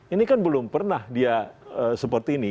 ini kan belum pernah dia seperti ini